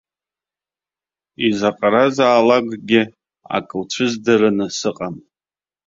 Изаҟаразаалакгьы акы уцәызӡараны сыҟам.